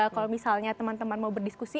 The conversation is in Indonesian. kalau misalnya teman teman mau berdiskusi